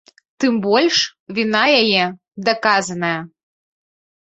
Тым больш, віна яе даказаная.